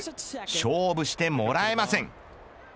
勝負してもらえません。